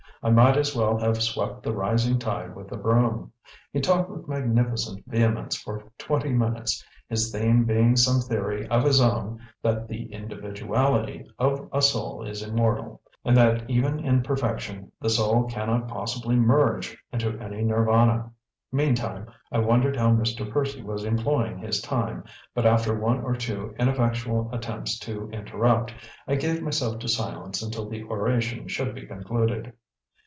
I might as well have swept the rising tide with a broom. He talked with magnificent vehemence for twenty minutes, his theme being some theory of his own that the individuality of a soul is immortal, and that even in perfection, the soul cannot possibly merge into any Nirvana. Meantime, I wondered how Mr. Percy was employing his time, but after one or two ineffectual attempts to interrupt, I gave myself to silence until the oration should be concluded.